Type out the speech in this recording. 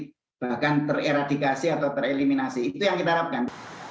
bahkan tereradikasi atau tereliminasi itu yang kita harapkan